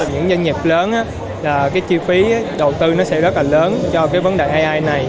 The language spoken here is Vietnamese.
những doanh nghiệp lớn chi phí đầu tư sẽ rất là lớn cho vấn đề ai này